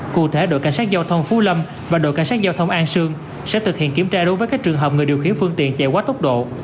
cụ thể đội cảnh sát giao thông phú lâm và đội cảnh sát giao thông an sương sẽ thực hiện kiểm tra đối với các trường hợp người điều khiển phương tiện chạy quá tốc độ